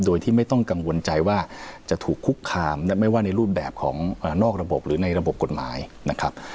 โดยที่ไม่ต้องกังวลใจว่าจะถูกคุกคามและไม่ว่าในรูปแบบของนอกระบบหรือในระบบกฎหมายนะครับ